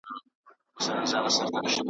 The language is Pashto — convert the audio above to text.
له ماښامه تر سهاره یې غپله .